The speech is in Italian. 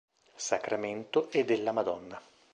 Sacramento e della Madonna.